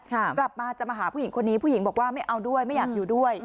กลับมาจะมาหาผู้หญิงคนนี้ผู้หญิงบอกว่าไม่เอาด้วยไม่อยากอยู่ด้วย